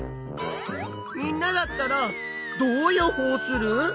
みんなだったらどう予報する？